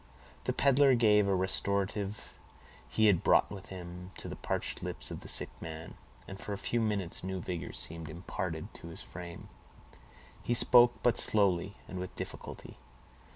The peddler gave a restorative he had brought with him to the parched lips of the sick man, and for a few minutes new vigor seemed imparted to his frame. He spoke, but slowly, and with difficulty.